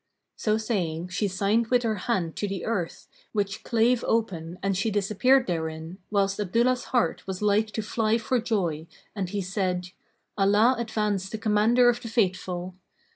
So saying, she signed with her hand to the earth, which clave open and she disappeared therein, whilst Abdullah's heart was like to fly for joy and he said, "Allah advance the Commander of the Faithful!"